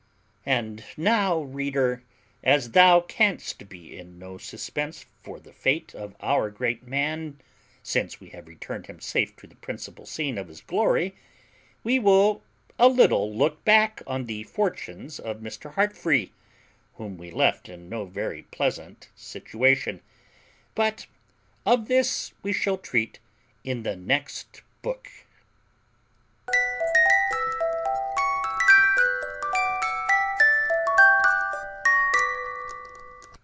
And now, reader, as thou canst be in no suspense far the fate of our great man, since we have returned him safe to the principal scene of his glory, we will a little look back on the fortunes of Mr. Heartfree, whom we left in no very pleasant situation; but of this we shall treat in the next book.